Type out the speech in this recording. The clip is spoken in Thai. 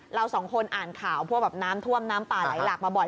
เราสองคนอ่านข่าวพวกแบบน้ำท่วมน้ำป่าไหลหลากมาบ่อย